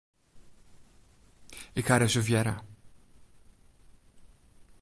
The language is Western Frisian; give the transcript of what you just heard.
Ik ha reservearre.